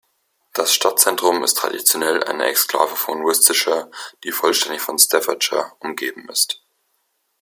Das Stadtzentrum ist traditionell eine Exklave von Worcestershire, die vollständig von Staffordshire umgeben ist.